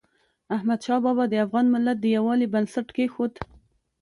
احمدشاه بابا د افغان ملت د یووالي بنسټ کېښود.